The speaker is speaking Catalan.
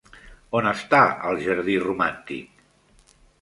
On està el «jardí romàntic»?